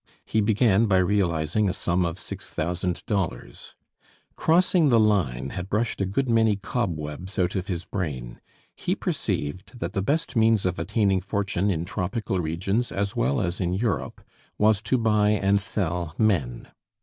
He began by realizing a sum of six thousand dollars. Crossing the line had brushed a good many cobwebs out of his brain; he perceived that the best means of attaining fortune in tropical regions, as well as in Europe, was to buy and sell men.